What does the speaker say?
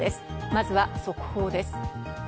まずは速報です。